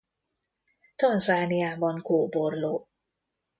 Tanzániában kóborló.